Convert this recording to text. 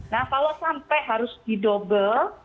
nah kalau sampai harus didobel